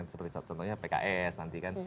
seperti contohnya pks nanti kan